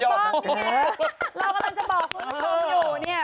ถูกต้องเนี่ยเรากำลังจะบอกคุณผู้ชมอยู่เนี่ย